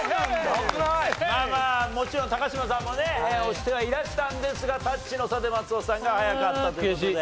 もちろん嶋さんもね早押ししてはいらしたんですがタッチの差で松尾さんが早かったという事で。